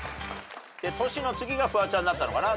トシの次がフワちゃんなったのかな？